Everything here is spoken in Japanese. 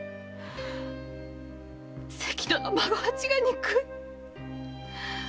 関戸の孫八が憎い！